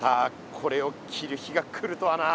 これを着る日が来るとはな。